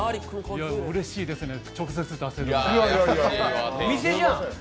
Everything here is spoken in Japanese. うれしいですね、直接出せるのが。